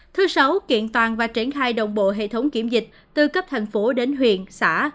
thứ sáu kiện toàn và triển khai đồng bộ hệ thống kiểm dịch từ cấp thành phố đến huyện xã